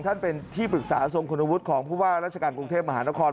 ท่านเป็นที่ปรึกษาทรงคุณวุฒิของผู้ว่าราชการกรุงเทพมหานคร